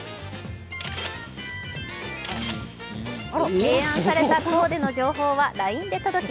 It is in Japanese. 提案されたコーデの情報はＬＩＮＥで届き